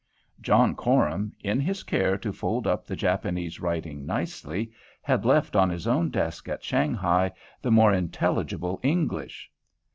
John Coram, in his care to fold up the Japanese writing nicely, had left on his own desk at Shanghae the more intelligible English.